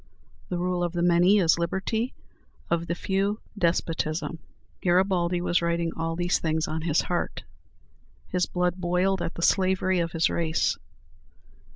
The rule of the many is liberty; of the few, despotism. Garibaldi was writing all these things on his heart. His blood boiled at the slavery of his race.